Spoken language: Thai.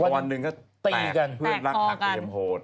วันหนึ่งก็แตกเพื่อนรักษาเกรียมโหด